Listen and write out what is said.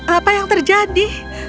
apa yang terjadi